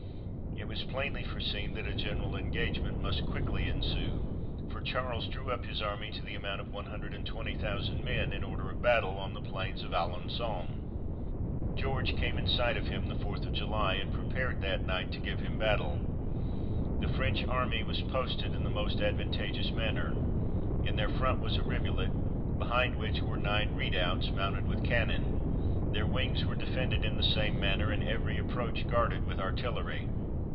It was plainly foreseen that a general engage ment must quickly ensue, for Charles drew up his army, to the amount of one hundred and twenty thousand men, in order of battle, on the plains of Alengon : George came in sight of him the fourth of July, and prepared that night to give him battle. The French army was posted in the most advantageous manner. In their front was a rivulet, behind which were nine redoubts mounted with cannon ; their wings were defended in the same manner, and every approach guarded with artillery.